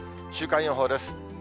週間予報です。